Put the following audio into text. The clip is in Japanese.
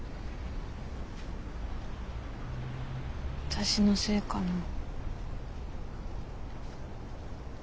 私のせいかな？